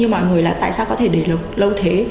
mọi người là tại sao có thể để lâu thế